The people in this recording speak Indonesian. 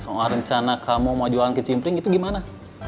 soal rencana kamu mau jualan ke cimpring itu gimana